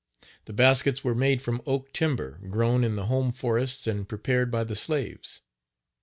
The baskets were made from oak timber grown in the home forests and prepared by the slaves.